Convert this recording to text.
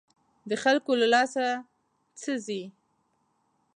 د خلکو له لاسه څه ځي.